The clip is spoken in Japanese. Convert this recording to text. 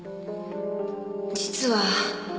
実は。